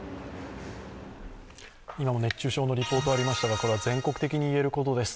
今も熱中症のリポートがありましたがこれは全国的に言えることです。